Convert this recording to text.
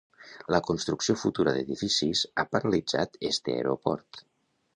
La construcció futura d'edificis ha paralitzat este aeroport.